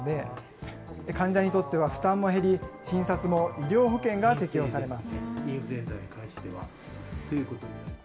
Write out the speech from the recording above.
患者にとっては負担も減り、診察も医療保険が適用されます。